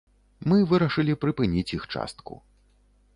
Мы вырашылі прыпыніць іх частку.